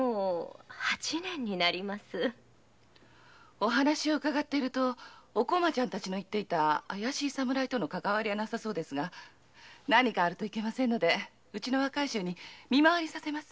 お話を伺っていると怪しい侍とのかかわりはなさそうですが何かあるといけませんのでうちの若い衆に見回りさせます。